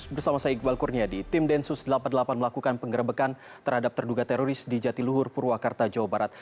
bersama saya iqbal kurniadi tim densus delapan puluh delapan melakukan penggerbekan terhadap terduga teroris di jatiluhur purwakarta jawa barat